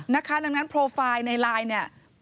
ดังนั้นโปรไฟล์ในไลน์เนี่ย